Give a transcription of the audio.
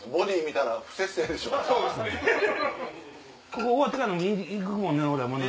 ここ終わってから飲みに行くもんね